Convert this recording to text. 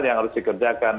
yang harus dikerjakan